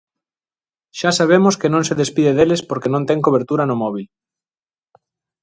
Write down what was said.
Xa sabemos que non se despide deles porque non ten cobertura no móbil.